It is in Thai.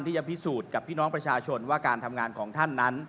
ที่จะพิสูจน์กับพี่น้องประชาชนว่าการทำงานของท่านนั้น